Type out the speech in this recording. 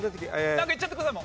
なんかいっちゃってください